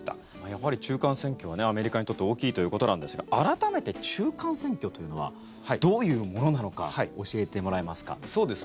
やはり中間選挙はアメリカにとって大きいということなんですが改めて中間選挙というのはどういうものなのか教えてもらえますか？